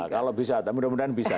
kalau bisa mudah mudahan bisa